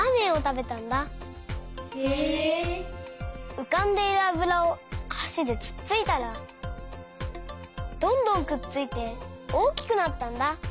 うかんでいるあぶらをはしでつっついたらどんどんくっついておおきくなったんだ。